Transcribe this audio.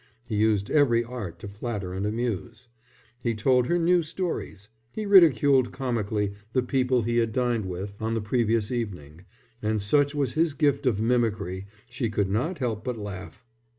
He used every art to flatter and amuse. He told her new stories. He ridiculed comically the people he had dined with on the previous evening, and such was his gift of mimicry she could not help but laugh.